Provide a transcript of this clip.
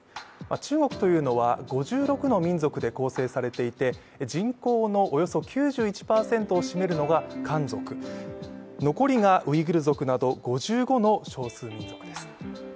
中国というのは５６の民族で構成されていて人口のおよそ９１％を占めるのが漢族、残りが、ウイグル族など５５の少数民族です。